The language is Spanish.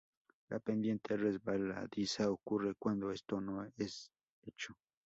La pendiente resbaladiza ocurre cuando esto no es hecho.